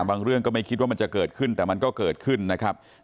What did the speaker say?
เรื่องก็ไม่คิดว่ามันจะเกิดขึ้นแต่มันก็เกิดขึ้นนะครับ